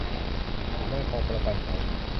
สินมั่นคงประกันภัย